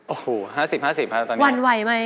โอ้โฮ๕๐๕๐บาทวันวัยไหม